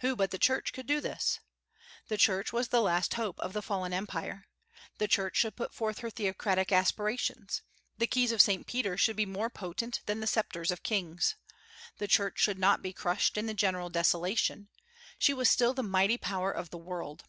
Who but the Church could do this? The Church was the last hope of the fallen Empire. The Church should put forth her theocratic aspirations. The keys of Saint Peter should be more potent than the sceptres of kings. The Church should not be crushed in the general desolation. She was still the mighty power of the world.